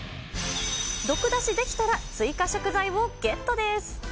毒出しできたら、追加食材をゲットです。